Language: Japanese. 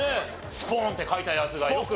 スポーンって書いたヤツがよく。